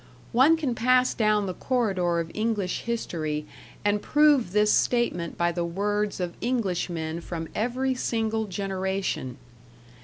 One can pass down the corridor of English history and prove this statement by the words of Englishmen from every single generation.